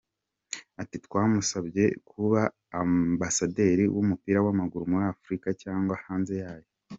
Ati "Twamusabye kuba ambasaderi w’umupira w’amaguru muri Afurika cyangwa hanze yayo.